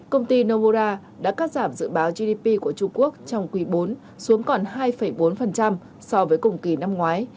công ty nomora đã cắt giảm dự báo gdp của trung quốc trong quý iv xuống còn hai bốn so với cùng kỳ năm ngoái